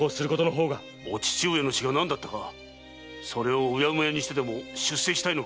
お父上の死が何だったかそれをごまかしてでも出世したいのか？